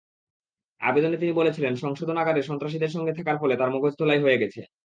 আবেদনে তিনি বলেছিলেন, সংশোধনাগারে সন্ত্রাসীদের সঙ্গে থাকার ফলে তাঁর মগজধোলাই হয়ে গেছে।